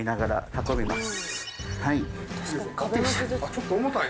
ちょっと重たい。